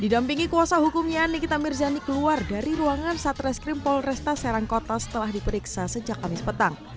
didampingi kuasa hukumnya nikita mirzani keluar dari ruangan satreskrim polresta serangkota setelah diperiksa sejak kamis petang